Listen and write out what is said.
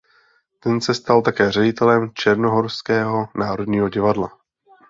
Ten se stal také ředitelem Černohorského národního divadla.